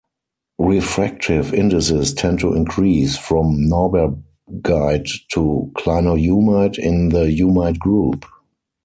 Refractive indices tend to increase from norbergite to clinohumite in the humite group.